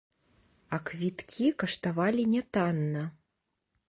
А квіткі каштавалі нятанна.